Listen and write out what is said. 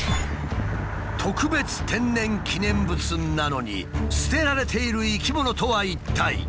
特別天然記念物なのに捨てられている生き物とは一体？